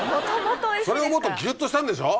それをもっとギュっとしたんでしょ？